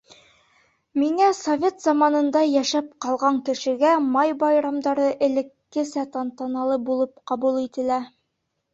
Миңә, совет заманында йәшәп ҡалған кешегә, май байрамдары элеккесә тантаналы булып ҡабул ителә.